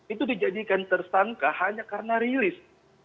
itu dijadikan tersangka hanya karena rilis